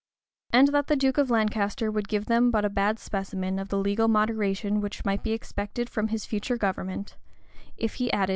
And that the duke of Lancaster would give them but a bad specimen of the legal moderation which might be expected from his future government, if he added,[typo?